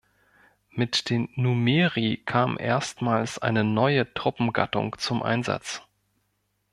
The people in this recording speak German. Mit den "Numeri" kam erstmals eine neue Truppengattung zum Einsatz.